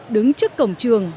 đứng trước cổng trường